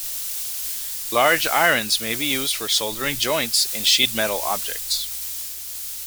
Large irons may be used for soldering joints in sheet metal objects.